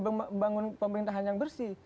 membangun pemerintahan yang bersih